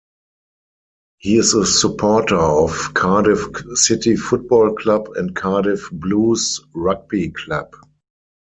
He is a supporter of Cardiff City Football Club and Cardiff Blues Rugby Club.